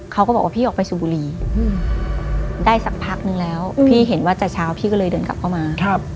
เขาก็บอกว่าพี่ออกไปสูบบุรีได้สักพักนึงแล้วพี่เห็นว่าจะเช้าพี่ก็เลยเดินกลับเข้ามา